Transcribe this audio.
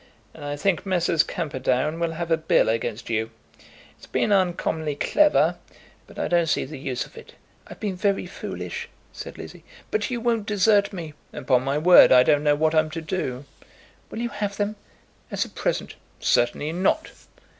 And I think Messrs. Camperdown will have a bill against you. It's been uncommonly clever, but I don't see the use of it." "I've been very foolish," said Lizzie, "but you won't desert me!" "Upon my word I don't know what I'm to do." "Will you have them, as a present?" "Certainly not."